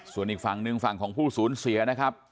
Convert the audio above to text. ส่วนอีกฝั่งหนึ่งฝั่งของผู้สูญเสียนะครับ